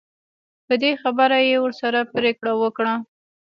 په دې خبره یې ورسره پرېکړه وکړه.